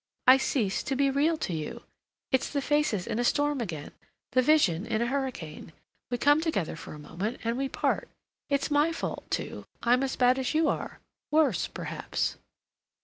"I cease to be real to you. It's the faces in a storm again—the vision in a hurricane. We come together for a moment and we part. It's my fault, too. I'm as bad as you are—worse, perhaps."